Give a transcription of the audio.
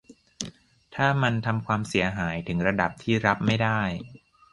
- ถ้ามันทำความเสียหายถึงระดับที่รับไม่ได้